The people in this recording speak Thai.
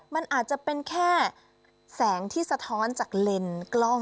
มันอาจจะเป็นแค่แสงที่สะท้อนจากเลนส์กล้อง